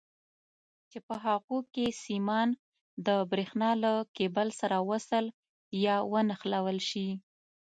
چې په هغو کې سیمان د برېښنا له کیبل سره وصل یا ونښلول شي.